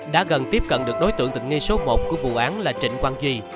đã gần tiếp cận được đối tượng tự nghi số một của vụ án là trịnh quang duy